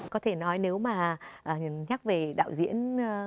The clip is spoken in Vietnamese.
có thể nói nếu mà nhắc về đạo diễn